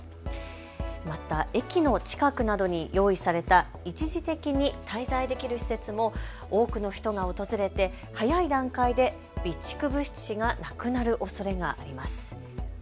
また駅の近くなどに用意された一時的に滞在できる施設も多くの人が訪れて早い段階で備蓄物資がなくなるおそれがあります。